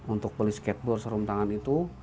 untuk beli skateboard sarung tangan itu